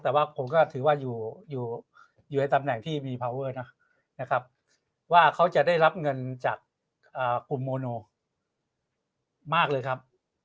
แต่ว่าผมก็ถือว่าอยู่ในตำแหน่งที่มีพาวเวอร์นะครับว่าเขาจะได้รับเงินจากกลุ่มโมโนมากเลยครับ